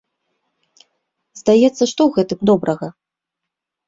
Здаецца, што ў гэтым добрага?